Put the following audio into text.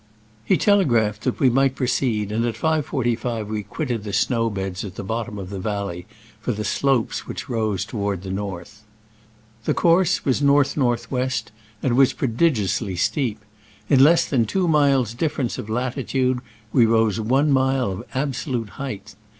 He telegraphed that we might proceed, and at 5.45 we quitted the snow beds at the bottom of the valley for the slopes which rose toward the north. The course was north north west, and was prodigiously steep. In less than two miles difference of latitude we rose one mile of absolute height.